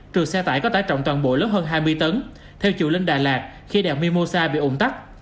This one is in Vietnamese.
trừ xe tải có tải trọng toàn bộ lớn hơn hai mươi tấn theo chiều lên đà lạt khi đèo mimosa bị ủng tắc